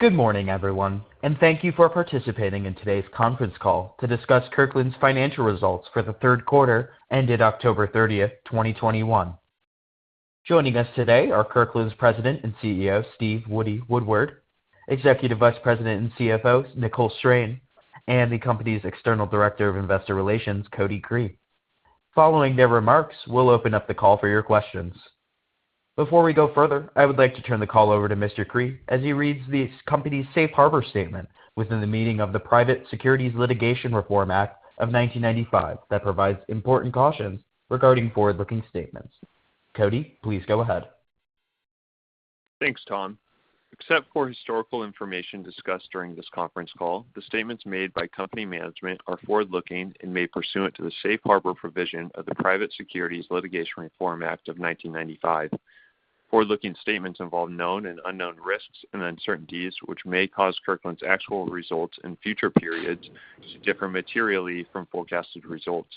Good morning, everyone, and thank you for participating in today's conference call to discuss Kirkland's financial results for the third quarter ended October 30, 2021. Joining us today are Kirkland's President and CEO, Steve Woodward, Executive Vice President and CFO, Nicole Strain, and the company's External Director of Investor Relations, Cody Cree. Following their remarks, we'll open up the call for your questions. Before we go further, I would like to turn the call over to Mr. Cree as he reads the company's Safe Harbor statement within the meaning of the Private Securities Litigation Reform Act of 1995 that provides important cautions regarding forward-looking statements. Cody, please go ahead. Thanks, Tom. Except for historical information discussed during this conference call, the statements made by company management are forward-looking and made pursuant to the Safe Harbor provision of the Private Securities Litigation Reform Act of 1995. Forward-looking statements involve known and unknown risks and uncertainties, which may cause Kirkland's actual results in future periods to differ materially from forecasted results.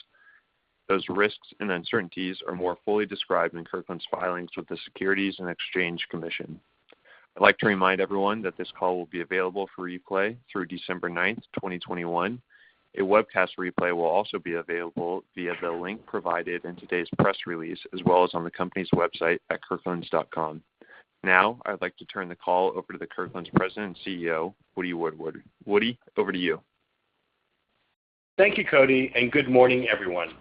Those risks and uncertainties are more fully described in Kirkland's filings with the Securities and Exchange Commission. I'd like to remind everyone that this call will be available for replay through December 9, 2021. A webcast replay will also be available via the link provided in today's press release, as well as on the company's website at kirklands.com. Now, I'd like to turn the call over to the Kirkland's President and CEO, Woody Woodward. Woody, over to you. Thank you, Cody, and good morning, everyone.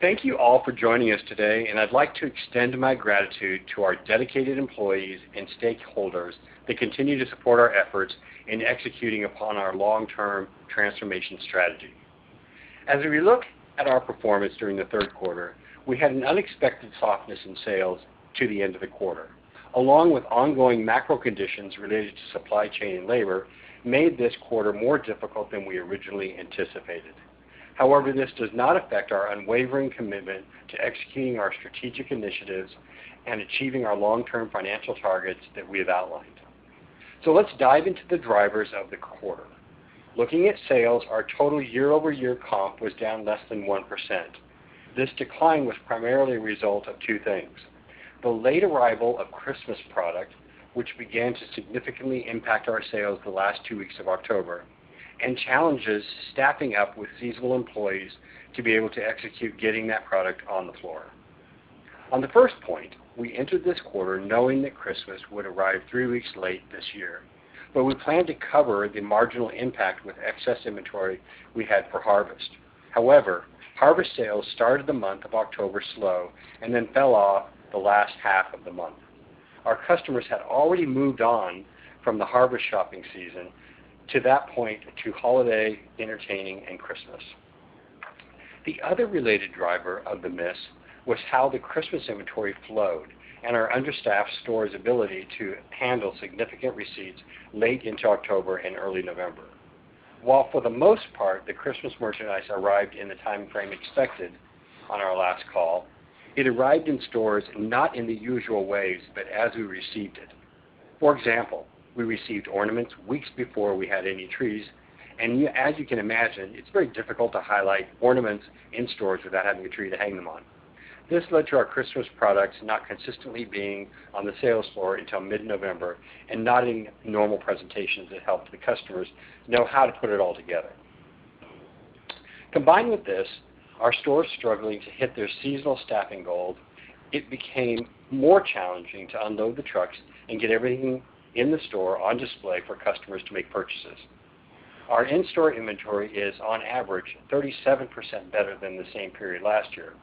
Thank you all for joining us today, and I'd like to extend my gratitude to our dedicated employees and stakeholders that continue to support our efforts in executing upon our long-term transformation strategy. As we look at our performance during the third quarter, we had an unexpected softness in sales to the end of the quarter, along with ongoing macro conditions related to supply chain and labor made this quarter more difficult than we originally anticipated. However, this does not affect our unwavering commitment to executing our strategic initiatives and achieving our long-term financial targets that we have outlined. Let's dive into the drivers of the quarter. Looking at sales, our total year-over-year comp was down less than 1%. This decline was primarily a result of two things, the late arrival of Christmas product, which began to significantly impact our sales the last two weeks of October, and challenges staffing up with seasonal employees to be able to execute getting that product on the floor. On the first point, we entered this quarter knowing that Christmas would arrive three weeks late this year, but we planned to cover the marginal impact with excess inventory we had for harvest. However, harvest sales started the month of October slow and then fell off the last half of the month. Our customers had already moved on from the harvest shopping season to that point to holiday entertaining and Christmas. The other related driver of the miss was how the Christmas inventory flowed and our understaffed stores' ability to handle significant receipts late into October and early November. While for the most part, the Christmas merchandise arrived in the time frame expected on our last call, it arrived in stores not in the usual ways, but as we received it. For example, we received ornaments weeks before we had any trees, and as you can imagine, it's very difficult to highlight ornaments in stores without having a tree to hang them on. This led to our Christmas products not consistently being on the sales floor until mid-November and not in normal presentations that helped the customers know how to put it all together. Combined with this, our stores struggling to hit their seasonal staffing goals, it became more challenging to unload the trucks and get everything in the store on display for customers to make purchases. Our in-store inventory is on average 37% better than the same period last year.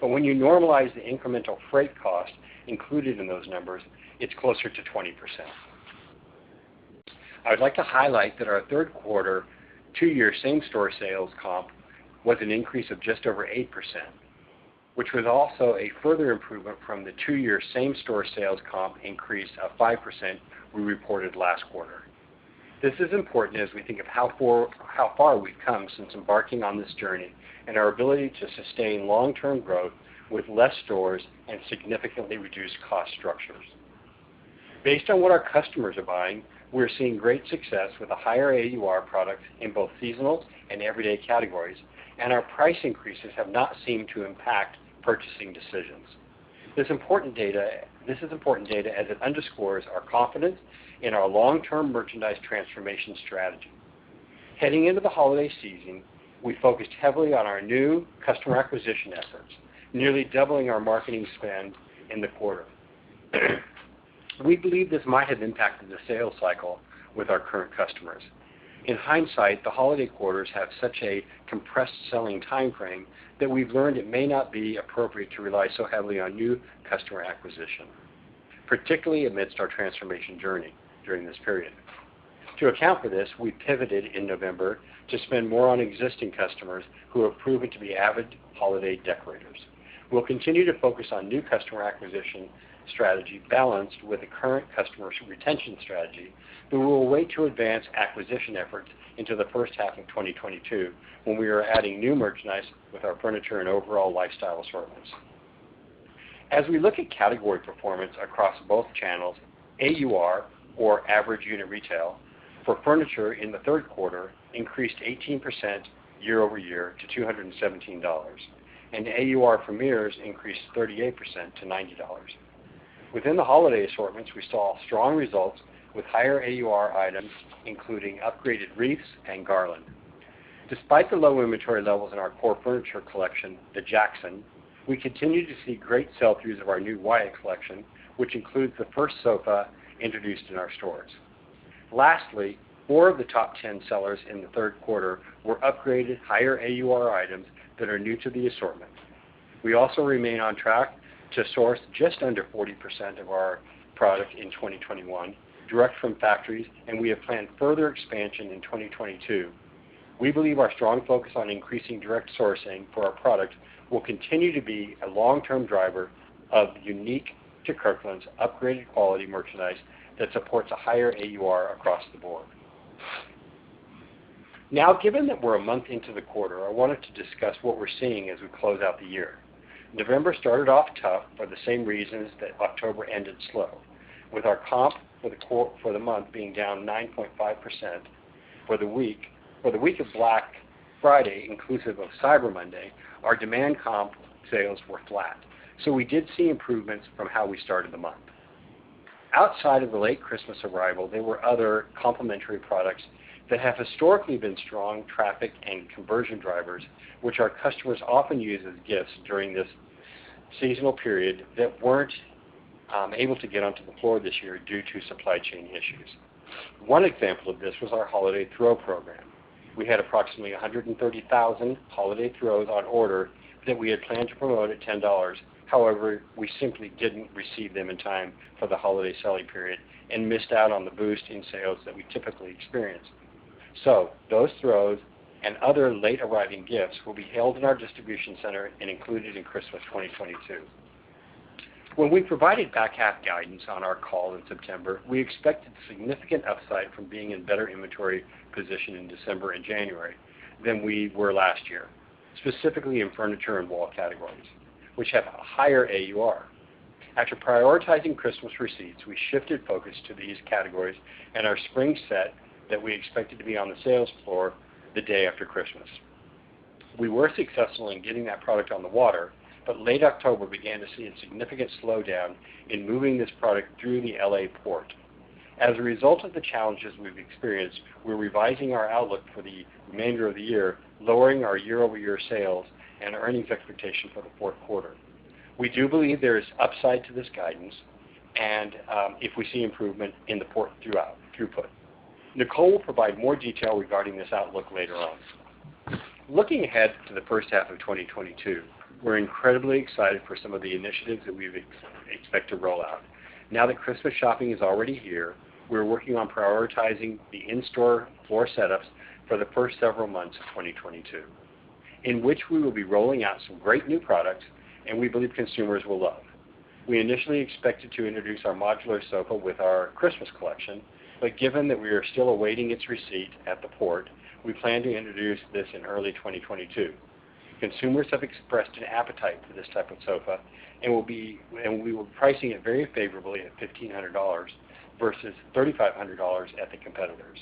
When you normalize the incremental freight cost included in those numbers, it's closer to 20%. I would like to highlight that our third quarter two-year same-store sales comp was an increase of just over 8%, which was also a further improvement from the two-year same-store sales comp increase of 5% we reported last quarter. This is important as we think of how far we've come since embarking on this journey and our ability to sustain long-term growth with less stores and significantly reduced cost structures. Based on what our customers are buying, we're seeing great success with a higher AUR product in both seasonal and everyday categories, and our price increases have not seemed to impact purchasing decisions. This is important data as it underscores our confidence in our long-term merchandise transformation strategy. Heading into the holiday season, we focused heavily on our new customer acquisition efforts, nearly doubling our marketing spend in the quarter. We believe this might have impacted the sales cycle with our current customers. In hindsight, the holiday quarters have such a compressed selling time frame that we've learned it may not be appropriate to rely so heavily on new customer acquisition, particularly amidst our transformation journey during this period. To account for this, we pivoted in November to spend more on existing customers who have proven to be avid holiday decorators. We'll continue to focus on new customer acquisition strategy balanced with the current customers retention strategy, but we will wait to advance acquisition efforts into the first half of 2022, when we are adding new merchandise with our furniture and overall lifestyle assortments. As we look at category performance across both channels, AUR or Average Unit Retail for furniture in the third quarter increased 18% year-over-year to $217, and the AUR for premiums increased 38% to $90. Within the holiday assortments, we saw strong results with higher AUR items, including upgraded wreaths and garland. Despite the low inventory levels in our core furniture collection, the Jackson, we continue to see great sell-throughs of our new Wyatt collection, which includes the first sofa introduced in our stores. Lastly, four of the top 10 sellers in the third quarter were upgraded higher AUR items that are new to the assortment. We also remain on track to source just under 40% of our product in 2021 direct from factories, and we have planned further expansion in 2022. We believe our strong focus on increasing direct sourcing for our product will continue to be a long-term driver of unique to Kirkland's upgraded quality merchandise that supports a higher AUR across the board. Now, given that we're a month into the quarter, I wanted to discuss what we're seeing as we close out the year. November started off tough for the same reasons that October ended slow, with our comp for the month being down 9.5% for the week. For the week of Black Friday, inclusive of Cyber Monday, our demand comp sales were flat, so we did see improvements from how we started the month. Outside of the late Christmas arrival, there were other complementary products that have historically been strong traffic and conversion drivers, which our customers often use as gifts during this seasonal period that weren't able to get onto the floor this year due to supply chain issues. One example of this was our holiday throw program. We had approximately 130,000 holiday throws on order that we had planned to promote at $10. However, we simply didn't receive them in time for the holiday selling period and missed out on the boost in sales that we typically experience. Those throws and other late arriving gifts will be held in our distribution center and included in Christmas 2022. When we provided back half guidance on our call in September, we expected significant upside from being in better inventory position in December and January than we were last year, specifically in furniture and wall categories which have a higher AUR. After prioritizing Christmas receipts, we shifted focus to these categories and our spring set that we expected to be on the sales floor the day after Christmas. We were successful in getting that product on the water, but in late October, we began to see a significant slowdown in moving this product through the L.A. port. As a result of the challenges we've experienced, we're revising our outlook for the remainder of the year, lowering our year-over-year sales and earnings expectations for the fourth quarter. We do believe there is upside to this guidance and, if we see improvement in the port throughput. Nicole will provide more detail regarding this outlook later on. Looking ahead to the first half of 2022, we're incredibly excited for some of the initiatives that we expect to roll out. Now that Christmas shopping is already here, we're working on prioritizing the in store floor setups for the first several months of 2022, in which we will be rolling out some great new products and we believe consumers will love. We initially expected to introduce our modular sofa with our Christmas collection, but given that we are still awaiting its receipt at the port, we plan to introduce this in early 2022. Consumers have expressed an appetite for this type of sofa and we will be pricing it very favorably at $1,500 versus $3,500 at the competitors.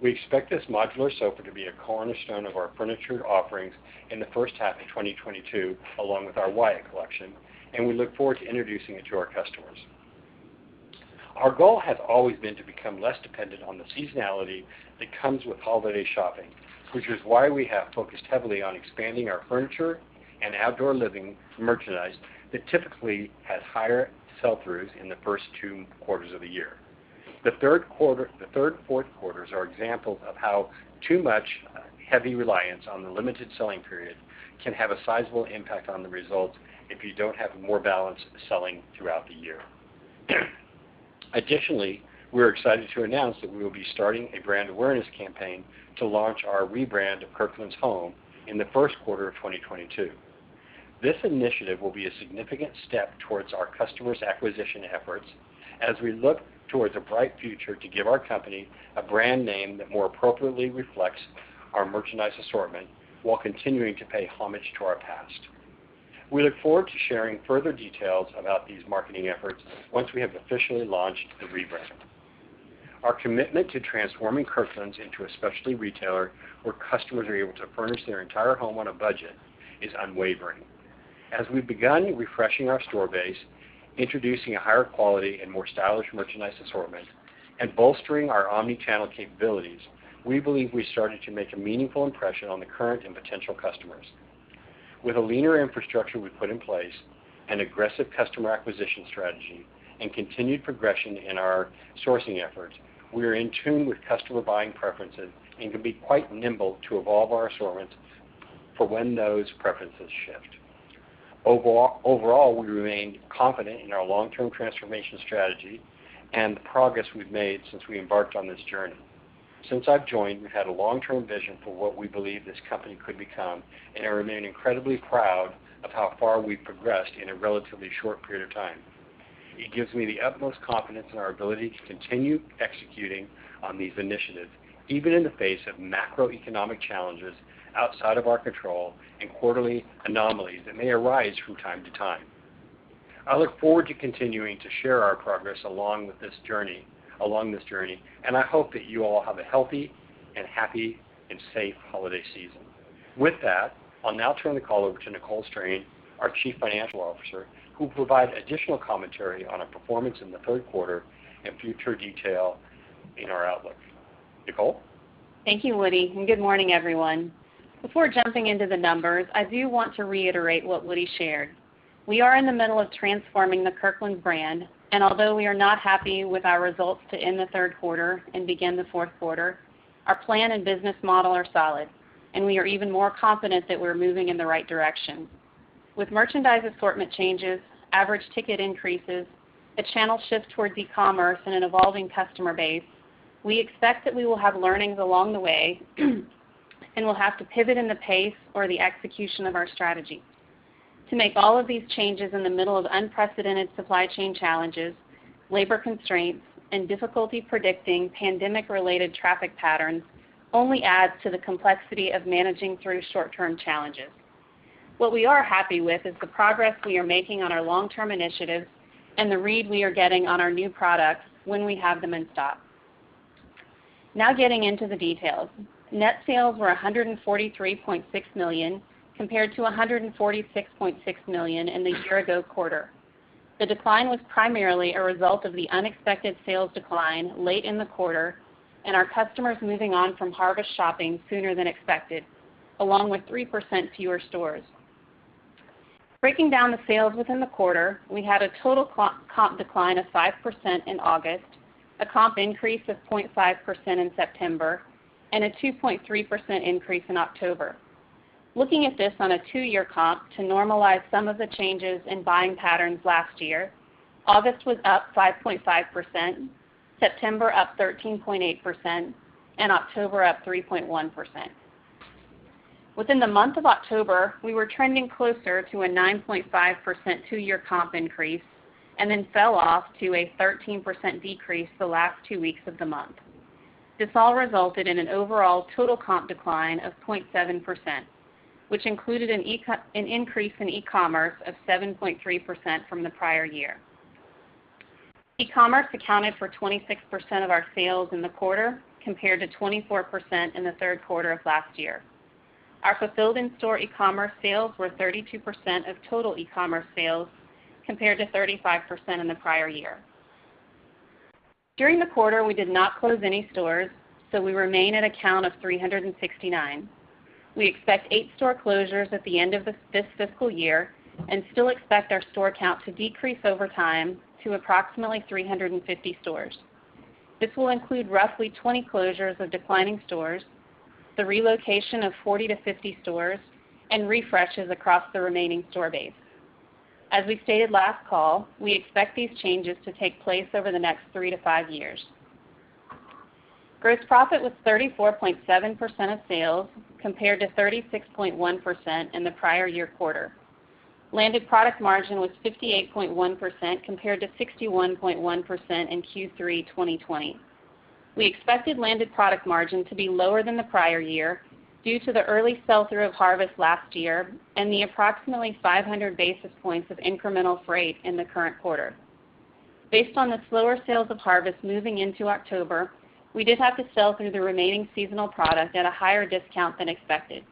We expect this modular sofa to be a cornerstone of our furniture offerings in the first half of 2022, along with our Wyatt collection, and we look forward to introducing it to our customers. Our goal has always been to become less dependent on the seasonality that comes with holiday shopping, which is why we have focused heavily on expanding our furniture and outdoor living merchandise that typically has higher sell throughs in the first two quarters of the year. The third, fourth quarters are examples of how too much heavy reliance on the limited selling period can have a sizable impact on the results if you don't have more balanced selling throughout the year. Additionally, we're excited to announce that we will be starting a brand awareness campaign to launch our rebrand of Kirkland's Home in the first quarter of 2022. This initiative will be a significant step towards our customer acquisition efforts as we look towards a bright future to give our company a brand name that more appropriately reflects our merchandise assortment while continuing to pay homage to our past. We look forward to sharing further details about these marketing efforts once we have officially launched the rebrand. Our commitment to transforming Kirkland's into a specialty retailer where customers are able to furnish their entire home on a budget is unwavering. As we've begun refreshing our store base, introducing a higher quality and more stylish merchandise assortment, and bolstering our omnichannel capabilities, we believe we started to make a meaningful impression on the current and potential customers. With a leaner infrastructure we put in place, an aggressive customer acquisition strategy, and continued progression in our sourcing efforts, we are in tune with customer buying preferences and can be quite nimble to evolve our assortment for when those preferences shift. Overall, we remain confident in our long term transformation strategy and the progress we've made since we embarked on this journey. Since I've joined, we've had a long term vision for what we believe this company could become, and I remain incredibly proud of how far we've progressed in a relatively short period of time. It gives me the utmost confidence in our ability to continue executing on these initiatives, even in the face of macroeconomic challenges outside of our control and quarterly anomalies that may arise from time to time. I look forward to continuing to share our progress along this journey, and I hope that you all have a healthy, and happy, and safe holiday season. With that, I'll now turn the call over to Nicole Strain, our Chief Financial Officer, who will provide additional commentary on our performance in the third quarter and further detail in our outlook. Nicole. Thank you, Woody, and good morning, everyone. Before jumping into the numbers, I do want to reiterate what Woody shared. We are in the middle of transforming the Kirkland brand, and although we are not happy with our results to end the third quarter and begin the fourth quarter, our plan and business model are solid, and we are even more confident that we're moving in the right direction. With merchandise assortment changes, average ticket increases, a channel shift towards e-commerce, and an evolving customer base, we expect that we will have learnings along the way and we'll have to pivot in the pace or the execution of our strategy. To make all of these changes in the middle of unprecedented supply chain challenges, labor constraints, and difficulty predicting pandemic-related traffic patterns only adds to the complexity of managing through short-term challenges. What we are happy with is the progress we are making on our long-term initiatives and the read we are getting on our new products when we have them in stock. Now getting into the details. Net sales were $143.6 million, compared to $146.6 million in the year ago quarter. The decline was primarily a result of the unexpected sales decline late in the quarter, and our customers moving on from harvest shopping sooner than expected, along with 3% fewer stores. Breaking down the sales within the quarter, we had a total comp decline of 5% in August, a comp increase of 0.5% in September, and a 2.3% increase in October. Looking at this on a two-year to normalize some of the changes in buying patterns last year, August was up 5.5%, September up 13.8%, and October up 3.1%. Within the month of October, we were trending closer to a 9.5% two-year comp increase, and then fell off to a 13% decrease the last two weeks of the month. This all resulted in an overall total comp decline of 0.7%, which included an increase in e-commerce of 7.3% from the prior year. E-commerce accounted for 26% of our sales in the quarter, compared to 24% in the third quarter of last year. Our fulfilled in store e-commerce sales were 32% of total e-commerce sales, compared to 35% in the prior year. During the quarter, we did not close any stores, so we remain at a count of 369. We expect eight store closures at the end of this fiscal year and still expect our store count to decrease over time to approximately 350 stores. This will include roughly 20 closures of declining stores, the relocation of 40-50 stores, and refreshes across the remaining store base. As we stated last call, we expect these changes to take place over the next 3-5 years. Gross profit was 34.7% of sales, compared to 36.1% in the prior year quarter. Landed product margin was 58.1%, compared to 61.1% in Q3 2020. We expected landed product margin to be lower than the prior year due to the early sell-through of harvest last year and the approximately 500 basis points of incremental freight in the current quarter. Based on the slower sales of harvest moving into October, we did have to sell through the remaining seasonal product at a higher discount than expected.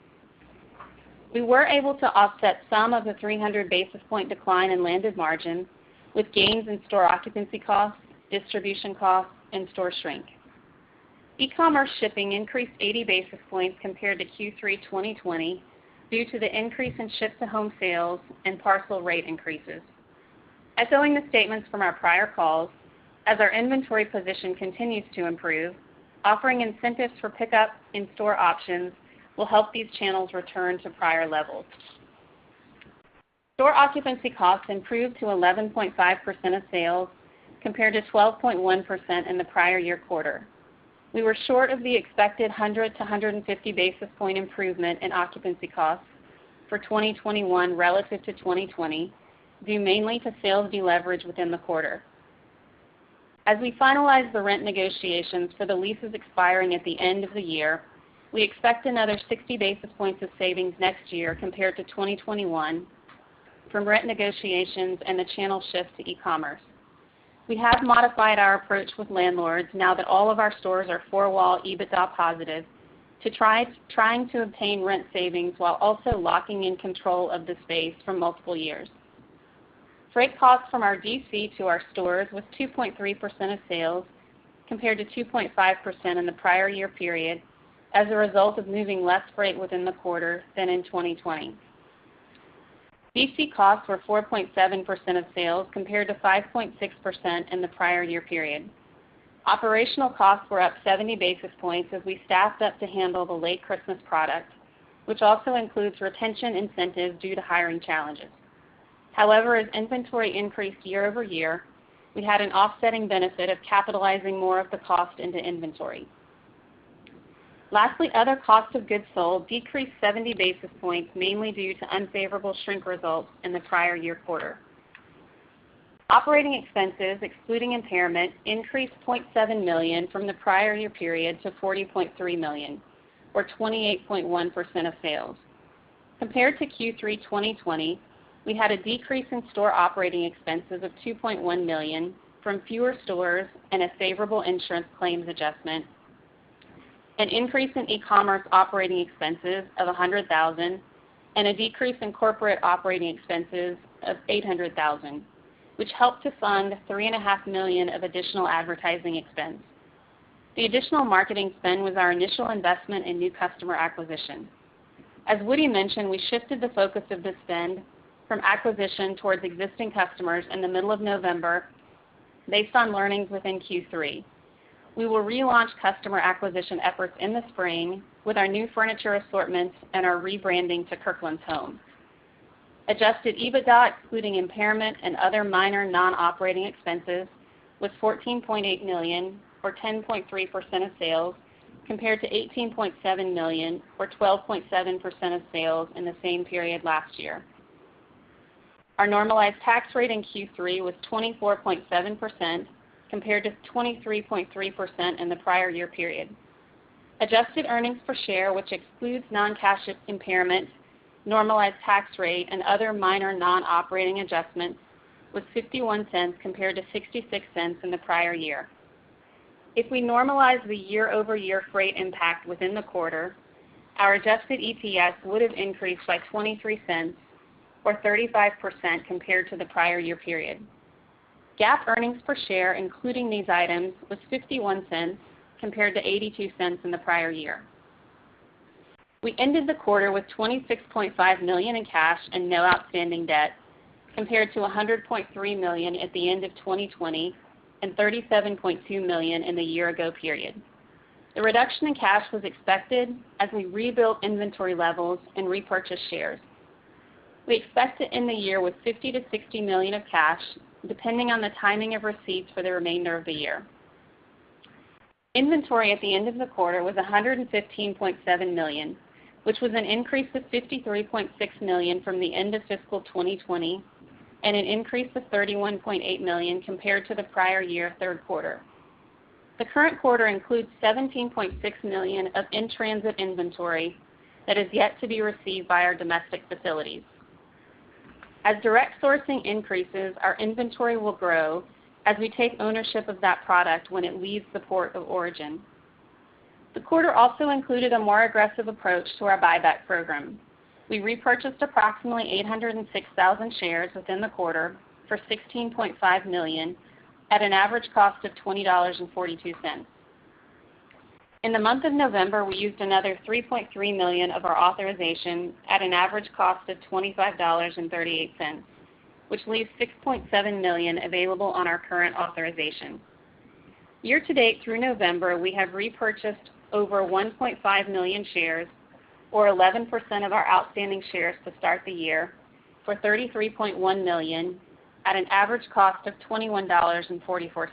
We were able to offset some of the 300 basis points decline in landed margin with gains in store occupancy costs, distribution costs, and store shrink. e-commerce shipping increased 80 basis points compared to Q3 2020 due to the increase in ship-to-home sales and parcel rate increases. Echoing the statements from our prior calls, as our inventory position continues to improve, offering incentives for pickup in-store options will help these channels return to prior levels. Store occupancy costs improved to 11.5% of sales compared to 12.1% in the prior year quarter. We were short of the expected 100-150 basis point improvement in occupancy costs for 2021 relative to 2020 due mainly to sales deleverage within the quarter. As we finalize the rent negotiations for the leases expiring at the end of the year, we expect another 60 basis points of savings next year compared to 2021 from rent negotiations and the channel shift to e-commerce. We have modified our approach with landlords now that all of our stores are four-wall EBITDA positive to obtain rent savings while also locking in control of the space for multiple years. Freight costs from our DC to our stores was 2.3% of sales compared to 2.5% in the prior year period as a result of moving less freight within the quarter than in 2020. DC costs were 4.7% of sales compared to 5.6% in the prior year period. Operational costs were up 70 basis points as we staffed up to handle the late Christmas product, which also includes retention incentives due to hiring challenges. However, as inventory increased year-over-year, we had an offsetting benefit of capitalizing more of the cost into inventory. Lastly, other cost of goods sold decreased 70 basis points, mainly due to unfavorable shrink results in the prior year quarter. Operating expenses excluding impairment increased $0.7 million from the prior year period to $40.3 million or 28.1% of sales. Compared to Q3 2020, we had a decrease in store operating expenses of $2.1 million from fewer stores and a favorable insurance claims adjustment. An increase in e-commerce operating expenses of $100,000 and a decrease in corporate operating expenses of $800,000, which helped to fund $3.5 million of additional advertising expense. The additional marketing spend was our initial investment in new customer acquisition. As Woody mentioned, we shifted the focus of the spend from acquisition towards existing customers in the middle of November based on learnings within Q3. We will relaunch customer acquisition efforts in the spring with our new furniture assortments and our rebranding to Kirkland's Home. Adjusted EBITDA, including impairment and other minor non-operating expenses, was $14.8 million or 10.3% of sales, compared to $18.7 million or 12.7% of sales in the same period last year. Our normalized tax rate in Q3 was 24.7% compared to 23.3% in the prior year period. Adjusted earnings per share, which excludes non-cash impairment, normalized tax rate, and other minor non-operating adjustments, was $0.51 compared to $0.66 in the prior year. If we normalize the year-over-year freight impact within the quarter, our adjusted EPS would have increased by $0.23 or 35% compared to the prior year period. GAAP earnings per share, including these items, was $0.51 compared to $0.82 in the prior year. We ended the quarter with $26.5 million in cash and no outstanding debt, compared to $100.3 million at the end of 2020 and $37.2 million in the year ago period. The reduction in cash was expected as we rebuilt inventory levels and repurchased shares. We expect to end the year with $50 million-$60 million of cash, depending on the timing of receipts for the remainder of the year. Inventory at the end of the quarter was $115.7 million, which was an increase of $53.6 million from the end of fiscal 2020, and an increase of $31.8 million compared to the prior year third quarter. The current quarter includes $17.6 million of in-transit inventory that is yet to be received by our domestic facilities. As direct sourcing increases, our inventory will grow as we take ownership of that product when it leaves the port of origin. The quarter also included a more aggressive approach to our buyback program. We repurchased approximately 806,000 shares within the quarter for $16.5 million at an average cost of $20.42. In the month of November, we used another $3.3 million of our authorization at an average cost of $25.38, which leaves $6.7 million available on our current authorization. Year to date through November, we have repurchased over 1.5 million shares or 11% of our outstanding shares to start the year for $33.1 million at an average cost of $21.44.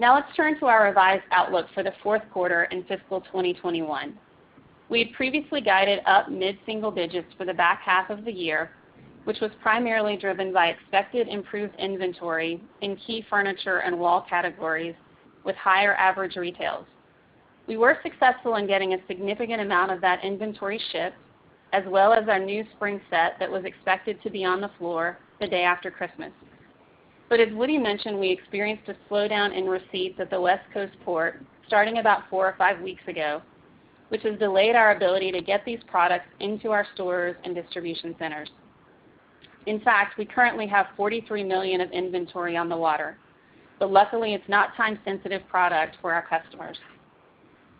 Now let's turn to our revised outlook for the fourth quarter in fiscal 2021. We had previously guided up mid-single digits for the back half of the year, which was primarily driven by expected improved inventory in key furniture and wall categories with higher average retails. We were successful in getting a significant amount of that inventory shipped, as well as our new spring set that was expected to be on the floor the day after Christmas. As Woody mentioned, we experienced a slowdown in receipts at the West Coast port starting about four or five weeks ago, which has delayed our ability to get these products into our stores and distribution centers. In fact, we currently have $43 million of inventory on the water, but luckily, it's not time-sensitive product for our customers.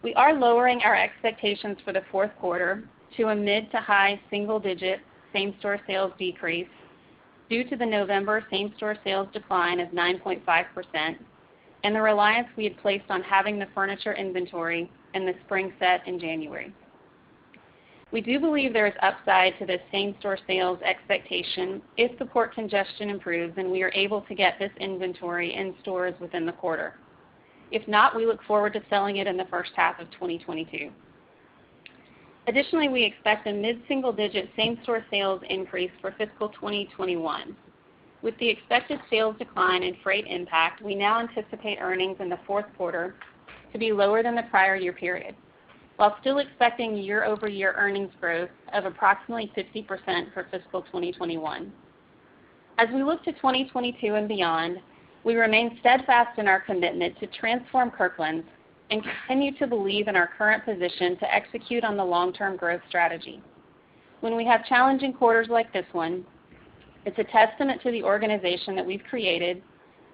We are lowering our expectations for the fourth quarter to a mid- to high single-digit same-store sales decrease due to the November same-store sales decline of 9.5% and the reliance we had placed on having the furniture inventory and the spring set in January. We do believe there is upside to this same-store sales expectation if the port congestion improves and we are able to get this inventory in stores within the quarter. If not, we look forward to selling it in the first half of 2022. Additionally, we expect a mid-single-digit same-store sales increase for fiscal 2021. With the expected sales decline and freight impact, we now anticipate earnings in the fourth quarter to be lower than the prior year period, while still expecting year-over-year earnings growth of approximately 50% for fiscal 2021. As we look to 2022 and beyond, we remain steadfast in our commitment to transform Kirkland's and continue to believe in our current position to execute on the long-term growth strategy. When we have challenging quarters like this one, it's a testament to the organization that we've created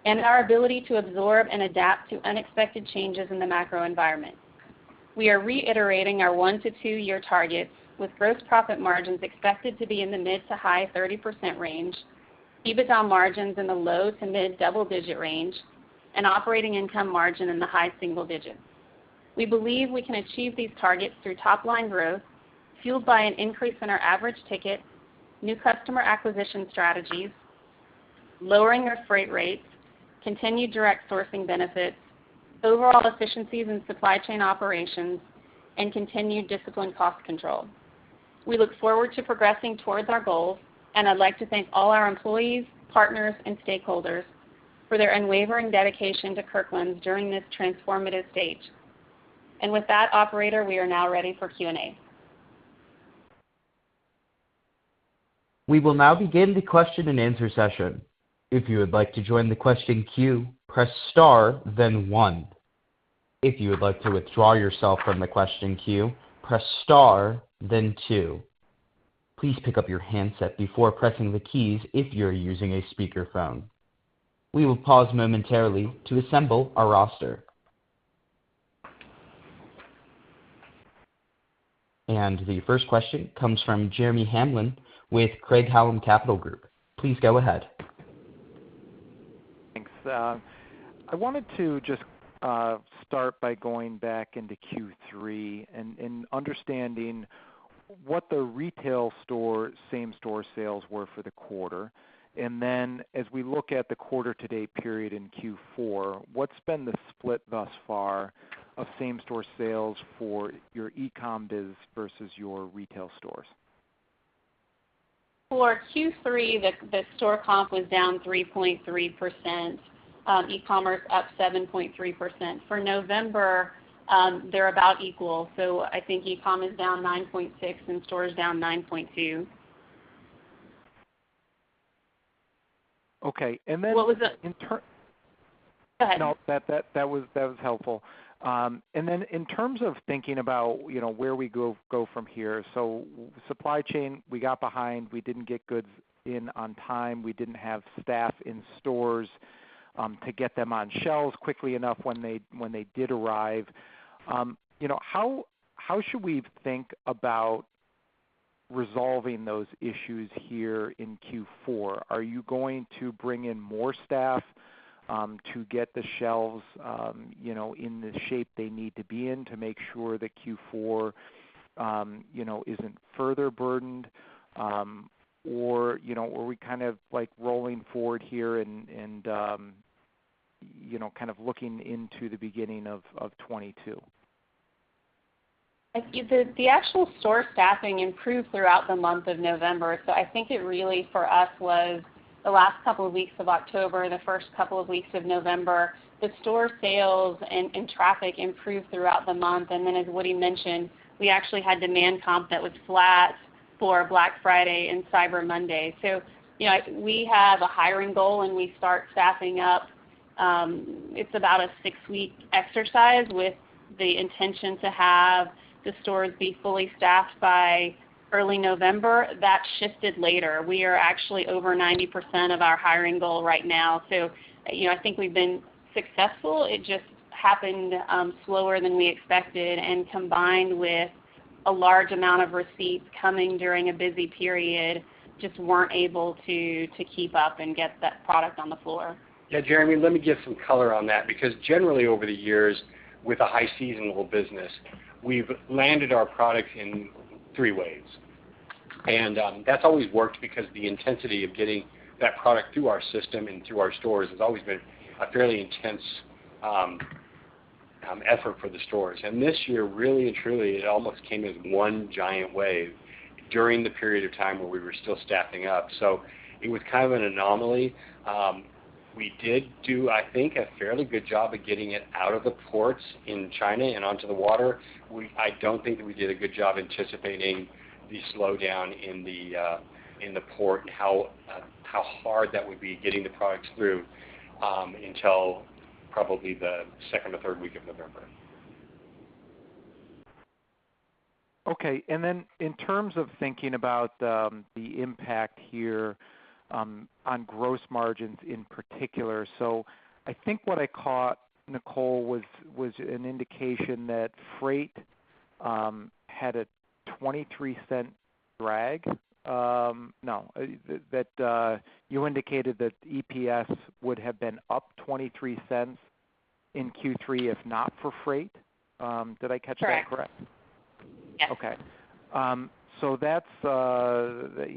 and our ability to absorb and adapt to unexpected changes in the macro environment. We are reiterating our 1-2 year targets with gross profit margins expected to be in the mid- to high-30% range, EBITDA margins in the low- to mid-double-digit % range, and operating income margin in the high single-digit %. We believe we can achieve these targets through top-line growth fueled by an increase in our average ticket, new customer acquisition strategies, lowering our freight rates, continued direct sourcing benefits, overall efficiencies in supply chain operations, and continued disciplined cost control. We look forward to progressing towards our goals, and I'd like to thank all our employees, partners, and stakeholders for their unwavering dedication to Kirkland's during this transformative stage. With that, operator, we are now ready for Q&A. We will now begin the question-and-answer session. If you would like to join the question queue, press star then one. If you would like to withdraw yourself from the question queue, press star then two. Please pick up your handset before pressing the keys if you're using a speakerphone. We will pause momentarily to assemble our roster. The first question comes from Jeremy Hamblin with Craig-Hallum Capital Group. Please go ahead. Thanks. I wanted to just start by going back into Q3 and understanding what the retail store same-store sales were for the quarter. Then as we look at the quarter to date period in Q4, what's been the split thus far of same-store sales for your e-com biz versus your retail stores? For Q3, the store comp was down 3.3%, e-commerce up 7.3%. For November, they're about equal. I think e-com is down 9.6%, and store is down 9.2. Okay. What was the- In term- Go ahead. No. That was helpful. In terms of thinking about, you know, where we go from here, supply chain, we got behind. We didn't get goods in on time. We didn't have staff in stores to get them on shelves quickly enough when they did arrive. You know, how should we think about resolving those issues here in Q4? Are you going to bring in more staff to get the shelves, you know, in the shape they need to be in to make sure that Q4 isn't further burdened, or, you know, are we kind of like rolling forward here and, you know, kind of looking into the beginning of 2022? I think the actual store staffing improved throughout the month of November. I think it really for us was the last couple of weeks of October, the first couple of weeks of November, the store sales and traffic improved throughout the month. Then as Woody mentioned, we actually had demand comp that was flat for Black Friday and Cyber Monday. You know, we have a hiring goal, and we start staffing up, it's about a six-week exercise with the intention to have the stores be fully staffed by early November. That shifted later. We are actually over 90% of our hiring goal right now. You know, I think we've been successful. It just happened slower than we expected. Combined with a large amount of receipts coming during a busy period, just weren't able to keep up and get that product on the floor. Yeah. Jeremy, let me give some color on that. Because generally over the years with a high seasonal business, we've landed our product in three waves. That's always worked because the intensity of getting that product through our system and through our stores has always been a fairly intense effort for the stores. This year, really and truly, it almost came as one giant wave during the period of time where we were still staffing up. It was kind of an anomaly. We did do, I think, a fairly good job of getting it out of the ports in China and onto the water. I don't think that we did a good job anticipating the slowdown in the port and how hard that would be getting the products through until probably the second or third week of November. Okay. In terms of thinking about the impact here on gross margins in particular, I think what I caught Nicole was an indication that freight had a $0.23 drag. No, that you indicated that EPS would have been up $0.23 in Q3 if not for freight. Did I catch that correct? Correct. Yes. Okay. That's,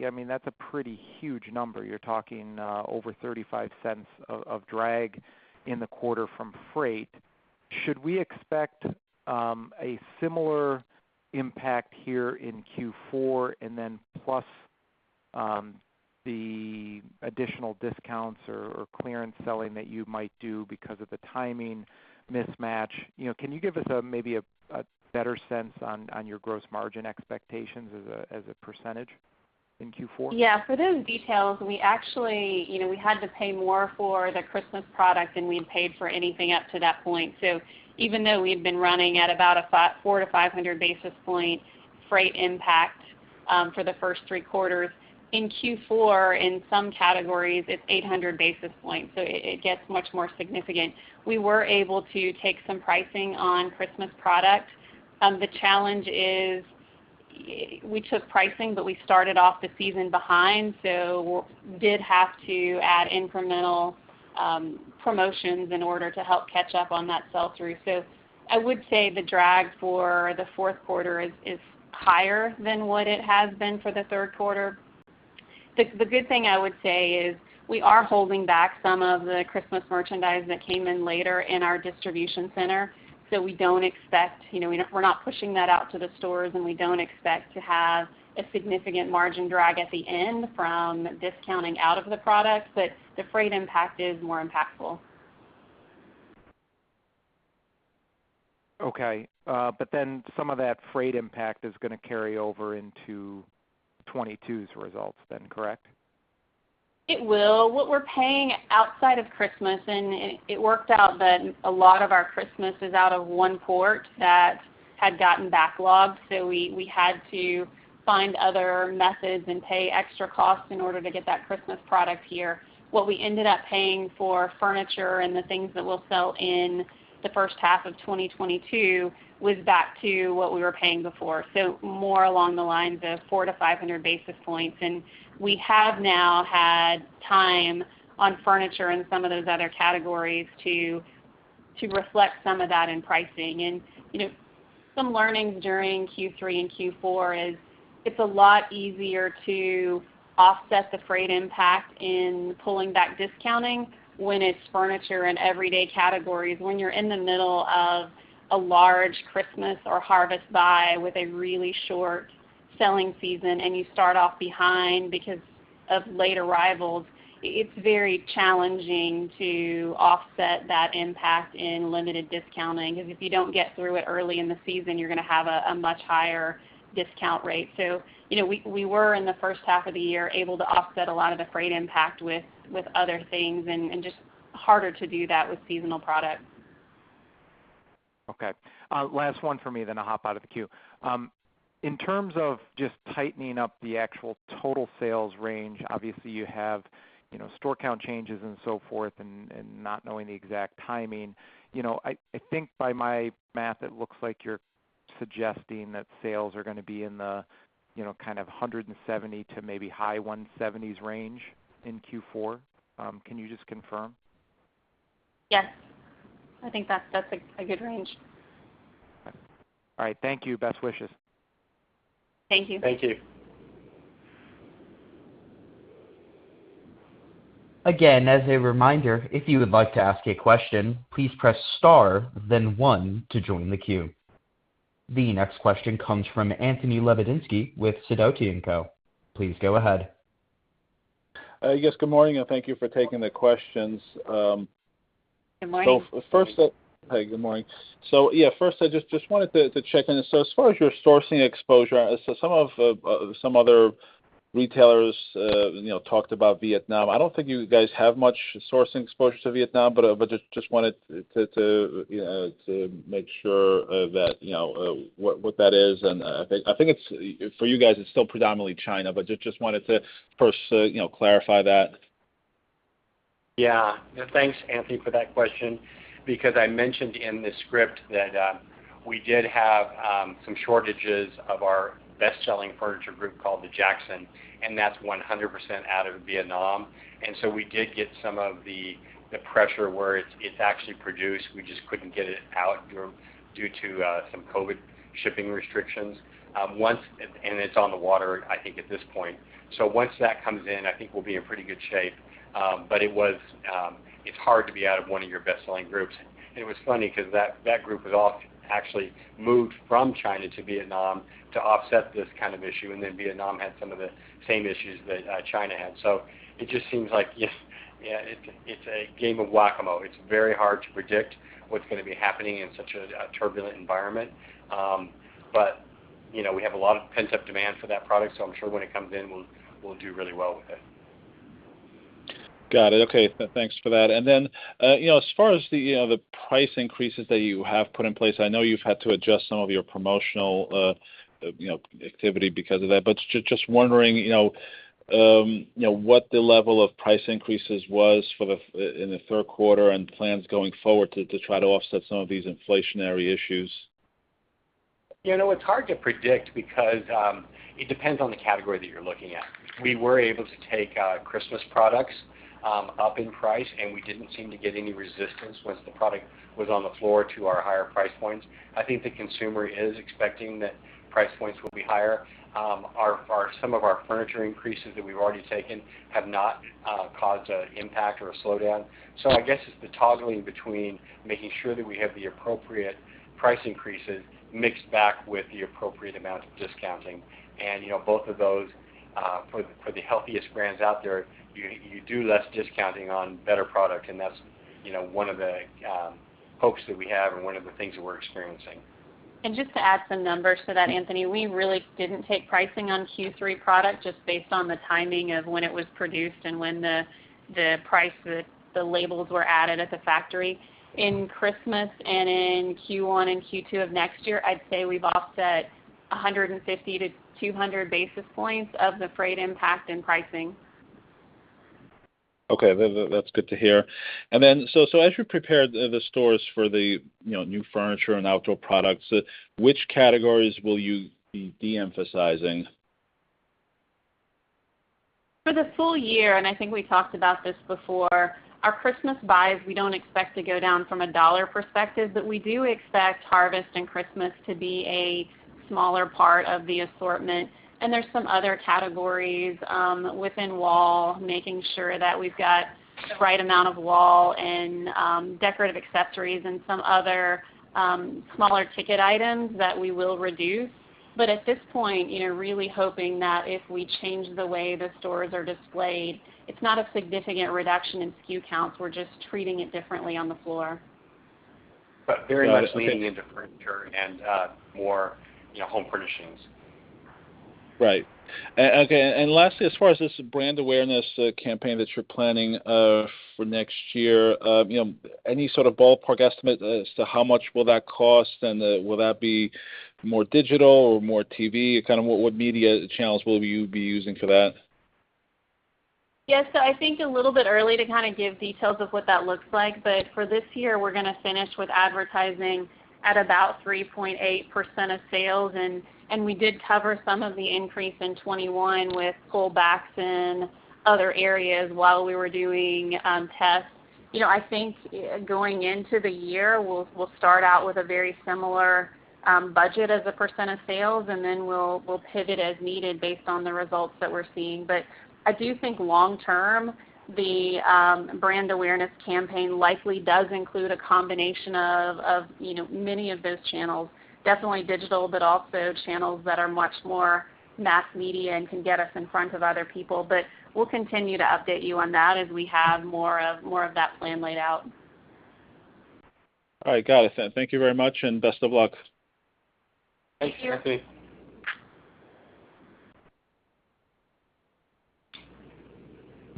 I mean, that's a pretty huge number. You're talking over $0.35 of drag in the quarter from freight. Should we expect a similar impact here in Q4 and then plus the additional discounts or clearance selling that you might do because of the timing mismatch? You know, can you give us maybe a better sense on your gross margin expectations as a percentage in Q4? Yeah. For those details, we actually, you know, we had to pay more for the Christmas product than we'd paid for anything up to that point. Even though we've been running at about a 4-500 basis point freight impact, for the first three quarters, in Q4, in some categories, it's 800 basis points, so it gets much more significant. We were able to take some pricing on Christmas product. The challenge is we took pricing, but we started off the season behind, so we did have to add incremental promotions in order to help catch up on that sell-through. I would say the drag for the fourth quarter is higher than what it has been for the third quarter. The good thing I would say is we are holding back some of the Christmas merchandise that came in later in our distribution center, so we don't expect, you know, we're not pushing that out to the stores, and we don't expect to have a significant margin drag at the end from discounting out of the products. The freight impact is more impactful. Okay. Some of that freight impact is gonna carry over into 2022's results then, correct? It will. What we're paying outside of Christmas, and it worked out that a lot of our Christmas is out of one port that had gotten backlogged, so we had to find other methods and pay extra costs in order to get that Christmas product here. What we ended up paying for furniture and the things that we'll sell in the first half of 2022 was back to what we were paying before. More along the lines of 400-500 basis points. We have now had time on furniture and some of those other categories to reflect some of that in pricing. You know, some learnings during Q3 and Q4 is it's a lot easier to offset the freight impact in pulling back discounting when it's furniture and everyday categories. When you're in the middle of a large Christmas or harvest buy with a really short selling season, and you start off behind because of late arrivals, it's very challenging to offset that impact in limited discounting. Because if you don't get through it early in the season, you're gonna have a much higher discount rate. You know, we were in the first half of the year able to offset a lot of the freight impact with other things and just harder to do that with seasonal products. Okay. Last one for me, then I'll hop out of the queue. In terms of just tightening up the actual total sales range, obviously you have, you know, store count changes and so forth and not knowing the exact timing. You know, I think by my math, it looks like you're suggesting that sales are gonna be in the, you know, kind of $170 to maybe high 170s range in Q4. Can you just confirm? Yes. I think that's a good range. All right. Thank you. Best wishes. Thank you. Thank you. Again, as a reminder, if you would like to ask a question, please press star then one to join the queue. The next question comes from Anthony Lebiedzinski with Sidoti & Co. Please go ahead. Yes, good morning, and thank you for taking the questions. Good morning. First up. Hey, good morning. Yeah, first I just wanted to check in. As far as your sourcing exposure, some other retailers, you know, talked about Vietnam. I don't think you guys have much sourcing exposure to Vietnam, but just wanted to, you know, to make sure that, you know, what that is. I think it's for you guys, it's still predominantly China, but just wanted to first, you know, clarify that. Yeah. Thanks, Anthony, for that question because I mentioned in the script that we did have some shortages of our best-selling furniture group called the Jackson, and that's 100% out of Vietnam. We did get some of the pressure where it's actually produced. We just couldn't get it out due to some COVID shipping restrictions. It's on the water, I think, at this point. Once that comes in, I think we'll be in pretty good shape. It was. It's hard to be out of one of your best-selling groups. It was funny because that group was actually moved from China to Vietnam to offset this kind of issue, and then Vietnam had some of the same issues that China had. It just seems like, yeah, it's a game of Whac-A-Mole. It's very hard to predict what's gonna be happening in such a turbulent environment. You know, we have a lot of pent-up demand for that product, so I'm sure when it comes in, we'll do really well with it. Got it. Okay. Thanks for that. You know, as far as the price increases that you have put in place, I know you've had to adjust some of your promotional, you know, activity because of that, but just wondering, you know, what the level of price increases was in the third quarter and plans going forward to try to offset some of these inflationary issues. You know, it's hard to predict because it depends on the category that you're looking at. We were able to take Christmas products up in price, and we didn't seem to get any resistance once the product was on the floor to our higher price points. I think the consumer is expecting that price points will be higher. Some of our furniture increases that we've already taken have not caused an impact or a slowdown. So I guess it's the toggling between making sure that we have the appropriate price increases mixed back with the appropriate amount of discounting. You know, both of those for the healthiest brands out there, you do less discounting on better product, and that's you know, one of the hopes that we have and one of the things that we're experiencing. Just to add some numbers to that, Anthony. We really didn't take pricing on Q3 product just based on the timing of when it was produced and when the price, the labels were added at the factory. In Christmas and in Q1 and Q2 of next year, I'd say we've offset 150-200 basis points of the freight impact in pricing. Okay. That's good to hear. As you prepare the stores for the, you know, new furniture and outdoor products, which categories will you be de-emphasizing? For the full year, and I think we talked about this before, our Christmas buys, we don't expect to go down from a dollar perspective, but we do expect harvest and Christmas to be a smaller part of the assortment. There's some other categories, within wall, making sure that we've got the right amount of wall and, decorative accessories and some other, smaller ticket items that we will reduce. At this point, you know, really hoping that if we change the way the stores are displayed, it's not a significant reduction in SKU counts. We're just treating it differently on the floor. Very much leaning into furniture and more, you know, home furnishings. Right. A-okay, and lastly, as far as this brand awareness campaign that you're planning for next year, you know, any sort of ballpark estimate as to how much will that cost, and, will that be more digital or more TV? Kind of what media channels will you be using for that? Yeah. I think a little bit early to kinda give details of what that looks like, but for this year we're gonna finish with advertising at about 3.8% of sales, and we did cover some of the increase in 2021 with pullbacks in other areas while we were doing tests. You know, I think going into the year, we'll start out with a very similar budget as a % of sales, and then we'll pivot as needed based on the results that we're seeing. I do think long term, the brand awareness campaign likely does include a combination of you know many of those channels, definitely digital, but also channels that are much more mass media and can get us in front of other people. We'll continue to update you on that as we have more of that plan laid out. All right. Got it then. Thank you very much and best of luck. Thanks, Anthony.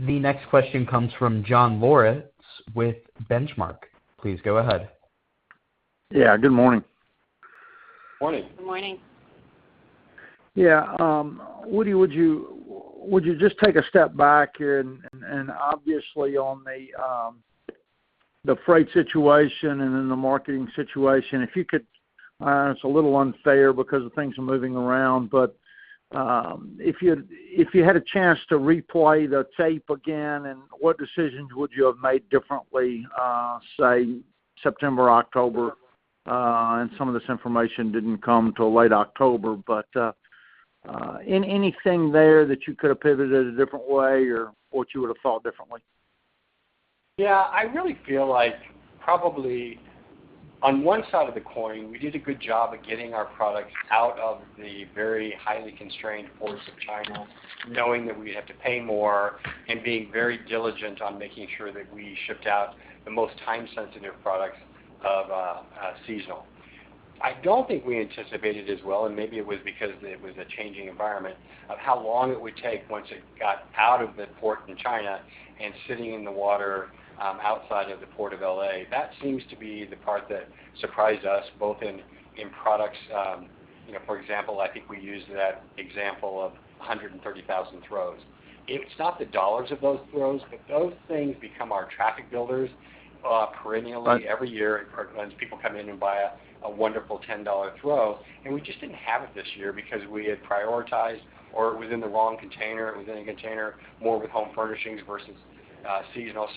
Thank you. The next question comes from John Lawrence with Benchmark. Please go ahead. Yeah, good morning. Morning. Good morning. Yeah, Woody, would you just take a step back and obviously on the freight situation and then the marketing situation, if you could. It's a little unfair because the things are moving around. If you had a chance to replay the tape again, what decisions would you have made differently, say, September, October? Some of this information didn't come till late October. Anything there that you could have pivoted a different way or what you would've thought differently? Yeah. I really feel like probably on one side of the coin, we did a good job of getting our products out of the very highly constrained ports of China, knowing that we'd have to pay more, and being very diligent on making sure that we shipped out the most time-sensitive products of seasonal. I don't think we anticipated as well, and maybe it was because it was a changing environment, of how long it would take once it got out of the port in China and sitting in the water, outside of the port of L.A. That seems to be the part that surprised us both in products. You know, for example, I think we used that example of 130,000 throws. It's not the dollars of those throws, but those things become our traffic builders, perennially every year when people come in and buy a wonderful $10 throw, and we just didn't have it this year because we had prioritized or it was in the wrong container. It was in a container more with home furnishings versus seasonal.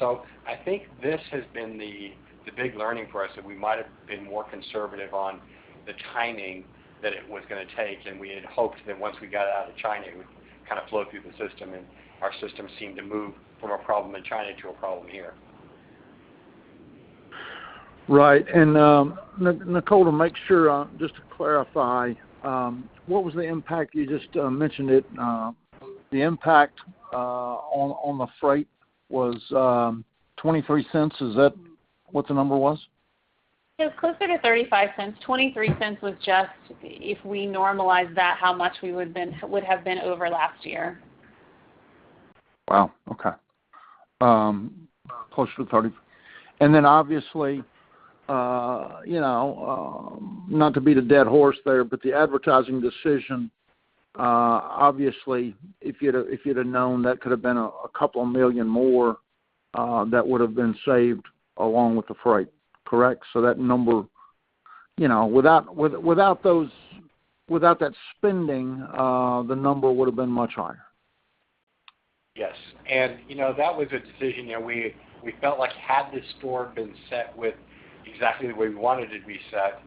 I think this has been the big learning for us, that we might have been more conservative on the timing that it was gonna take, and we had hoped that once we got out of China, it would kind of flow through the system, and our system seemed to move from a problem in China to a problem here. Right. Nicole, to make sure, just to clarify, what was the impact you just mentioned. The impact on the freight was $0.23. Is that what the number was? It was closer to $0.35. $0.23 was just if we normalize that, how much we would've been over last year. Wow. Okay. Closer to 30. Then obviously, you know, not to beat a dead horse there, but the advertising decision, obviously if you'd have known, that could have been $2 million more, that would've been saved along with the freight, correct? That number. You know, without that spending, the number would've been much higher. Yes. You know, that was a decision, you know, we felt like had the store been set with exactly the way we wanted it to be set,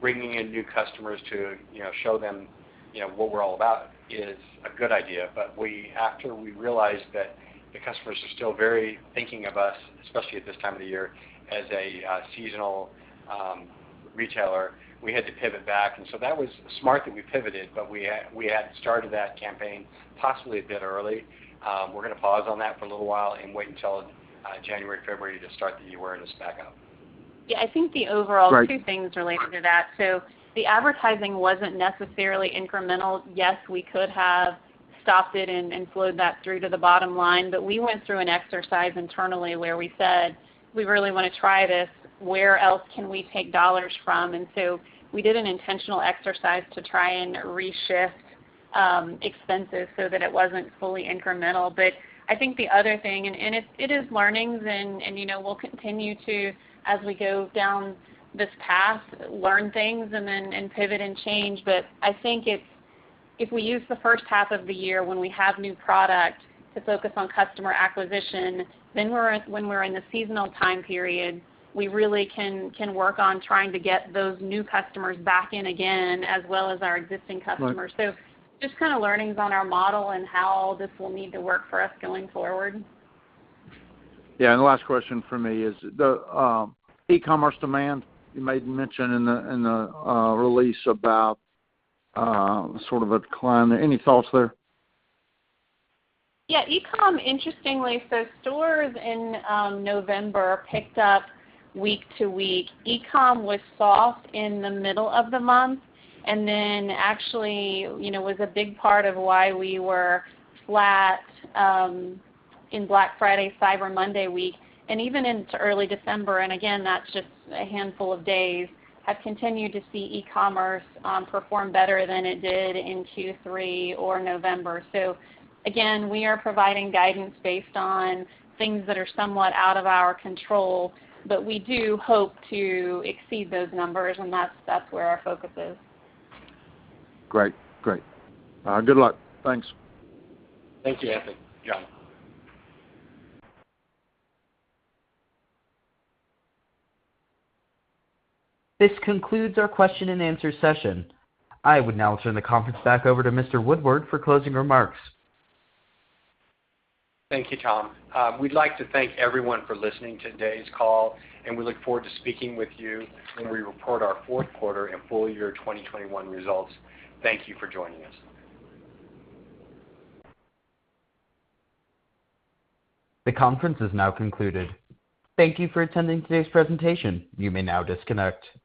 bringing in new customers to, you know, show them, you know, what we're all about is a good idea. But after we realized that the customers are still very much thinking of us, especially at this time of the year as a seasonal retailer, we had to pivot back. That was smart that we pivoted, but we had started that campaign possibly a bit early. We're gonna pause on that for a little while and wait until January, February to start the awareness back up. Yeah. I think the overall two things related to that. The advertising wasn't necessarily incremental. Yes, we could have stopped it and flowed that through to the bottom line. We went through an exercise internally where we said, "We really wanna try this. Where else can we take dollars from?" We did an intentional exercise to try and reshift expenses so that it wasn't fully incremental. I think the other thing, and it's learnings and you know, we'll continue to, as we go down this path, learn things and then pivot and change. I think it's if we use the first half of the year when we have new product to focus on customer acquisition, then when we're in the seasonal time period, we really can work on trying to get those new customers back in again, as well as our existing customers. Right. Just kinda learnings on our model and how this will need to work for us going forward. Yeah. The last question from me is the e-commerce demand. You made mention in the release about sort of a decline. Any thoughts there? Yeah. E-com, interestingly. Stores in November picked up week to week. E-com was soft in the middle of the month, and then actually, you know, was a big part of why we were flat in Black Friday, Cyber Monday week, and even into early December. Again, that's just a handful of days. We have continued to see e-commerce perform better than it did in Q3 or November. Again, we are providing guidance based on things that are somewhat out of our control, but we do hope to exceed those numbers, and that's where our focus is. Great. Good luck. Thanks. Thank you, Anthony. John. This concludes our question and answer session. I would now turn the conference back over to Mr. Woodward for closing remarks. Thank you, Tom. We'd like to thank everyone for listening to today's call, and we look forward to speaking with you when we report our fourth quarter and full year 2021 results. Thank you for joining us. The conference is now concluded. Thank you for attending today's presentation. You may now disconnect.